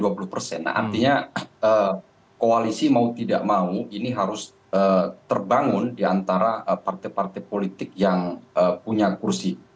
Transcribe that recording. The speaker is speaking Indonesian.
artinya koalisi mau tidak mau ini harus terbangun diantara partai partai politik yang punya kursi